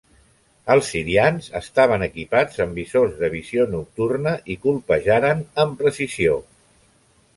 Els sirians estaven equipats amb visors de visió nocturna, i colpejaren amb precisió.